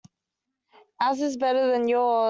Ours is better than yours.